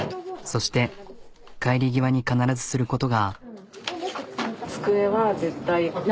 そして帰り際に必ずすることが。